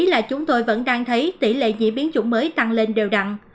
là chúng tôi vẫn đang thấy tỉ lệ nhiễm biến chủng mới tăng lên đều đặn